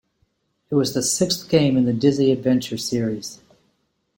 It was the sixth game in the Dizzy adventure series.